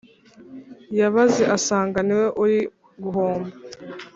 yabaze asanga niwe uri guhomba